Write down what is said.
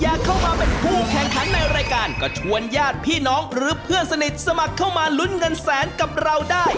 อยากเข้ามาเป็นผู้แข่งขันในรายการก็ชวนญาติพี่น้องหรือเพื่อนสนิทสมัครเข้ามาลุ้นเงินแสนกับเราได้